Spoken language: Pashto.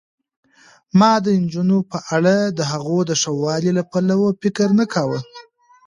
ما د نجونو په اړه دهغو د ښځوالي له پلوه فکر نه کاوه.